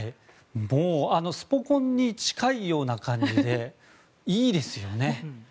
もうスポ根に近いような感じでいいですよね。